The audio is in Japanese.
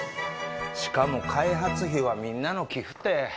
しかも開発費はみんなの寄付て。